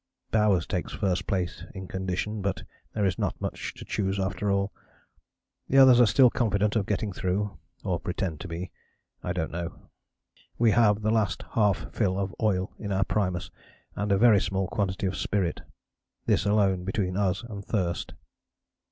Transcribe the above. Bowers takes first place in condition, but there is not much to choose after all. The others are still confident of getting through or pretend to be I don't know! We have the last half fill of oil in our primus and a very small quantity of spirit this alone between us and thirst.